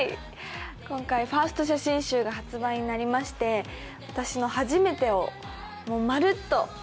今回、ファースト写真集が発売になりまして私の初めてを、まるっと！